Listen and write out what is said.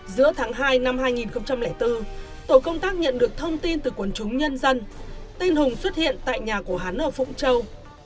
giữa tháng hai năm hai nghìn bốn tổ công tác nhận được thông tin từ quần chúng nhân dân tên hùng xuất hiện tại nhà của hắn ở phụng châu